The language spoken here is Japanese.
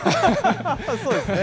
そうですね。